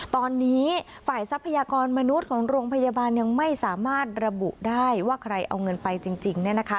ตอนนี้ฝ่ายทรัพยากรมนุษย์ของโรงพยาบาลยังไม่สามารถระบุได้ว่าใครเอาเงินไปจริง